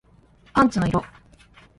パンツの色